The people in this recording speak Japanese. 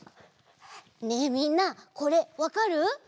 ねえみんなこれわかる？